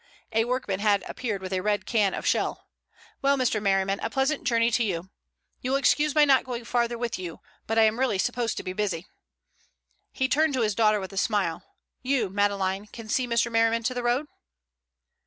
A workman had appeared with a red can of Shell. "Well, Mr. Merriman, a pleasant journey to you. You will excuse my not going farther with you, but I am really supposed to be busy." He turned to his daughter with a smile. "You, Madeleine, can see Mr. Merriman to the road?"